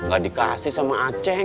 gak dikasih sama aceh